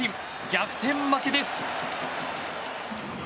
逆転負けです。